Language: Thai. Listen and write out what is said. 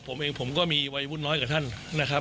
ผมเองผมก็มีวัยวุ่นน้อยกว่าท่านนะครับ